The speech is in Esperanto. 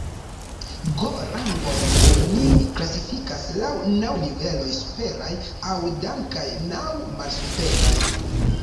Go-rangojn oni klasifikas laŭ naŭ niveloj superaj, aŭ "Dan", kaj naŭ malsuperaj.